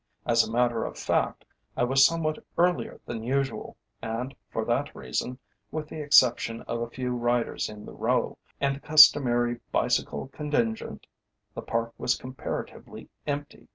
As a matter of fact I was somewhat earlier than usual, and for that reason, with the exception of a few riders in the Row, and the customary bicycle contingent, the Park was comparatively empty.